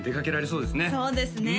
そうですね